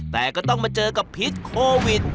แต่ก็ต้องมาเจอกับพิษโควิด